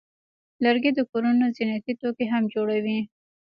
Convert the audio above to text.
لرګی د کورونو زینتي توکي هم جوړوي.